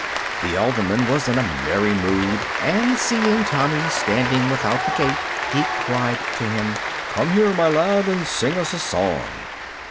The alderman was in a merry mood, and seeing Tommy standing without the gate he cried to him, "Come here, my lad, and sing us a song."